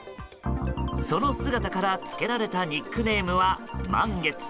その姿からつけられたニックネームは、満月。